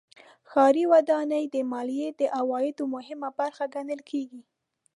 ښاري ودانۍ د مالیې د عوایدو مهمه برخه ګڼل کېږي.